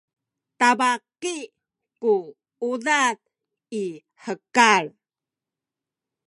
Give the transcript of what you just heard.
tabaki ku udad i hekal